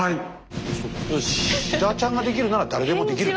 比田ちゃんができるなら誰でもできる！